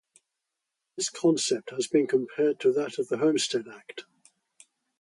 This concept has been compared to that of the Homestead Act.